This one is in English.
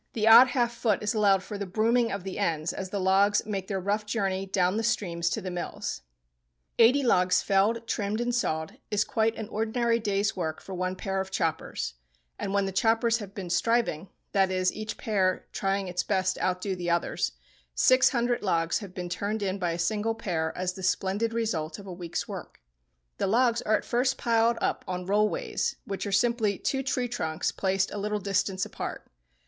The odd half foot is allowed for the "brooming" of the ends as the logs make their rough journey down the streams to the mills. [Illustration: LUMBERING. Page 266.] Eighty logs felled, trimmed, and sawed is quite an ordinary day's work for one pair of choppers; and when the choppers have been "striving"—that is, each pair trying its best to outdo the others—six hundred logs have been turned in by a single pair as the splendid result of a week's work. The logs are at first piled up on "roll ways," which are simply two tree trunks placed a little distance apart.